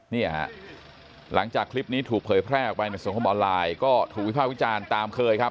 เนี่ยฮะหลังจากคลิปนี้ถูกเผยแพร่ออกไปในสังคมออนไลน์ก็ถูกวิภาควิจารณ์ตามเคยครับ